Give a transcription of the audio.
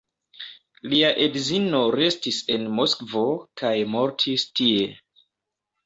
Lia edzino restis en Moskvo kaj mortis tie.